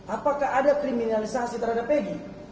apakah ada kriminalisasi terhadap egy